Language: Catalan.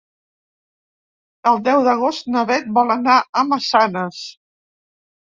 El deu d'agost na Bet vol anar a Massanes.